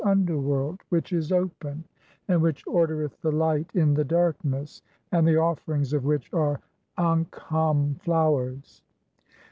underworld) which is open, "and which ordereth the light in the darkness, and the offerings "of which are (26) ankhdm flowers.'